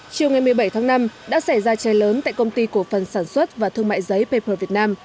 chiều ngày một mươi bảy tháng năm đã xảy ra cháy lớn tại công ty cổ phần sản xuất và thương mại giấy paper việt nam